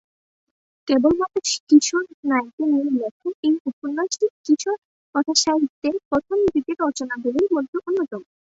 কেবলমাত্র কিশোর নায়কদের নিয়ে লেখা এই উপন্যাসটি কিশোর কথাসাহিত্যের প্রথম যুগের রচনাগুলির অন্যতম।